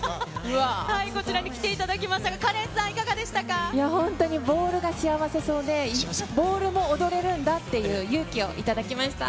こちらに来ていただきましたが、本当にボールが幸せそうで、ボールも踊れるんだっていう勇気を頂きました。